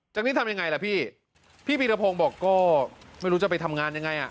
จากนี้ทำยังไงล่ะพี่พี่พีรพงศ์บอกก็ไม่รู้จะไปทำงานยังไงอ่ะ